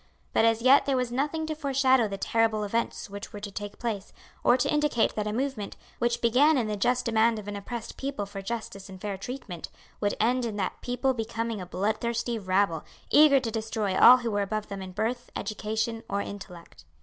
But as yet there was nothing to foreshadow the terrible events which were to take place, or to indicate that a movement, which began in the just demand of an oppressed people for justice and fair treatment, would end in that people becoming a bloodthirsty rabble, eager to destroy all who were above them in birth, education, or intellect.